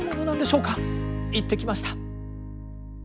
行ってきました。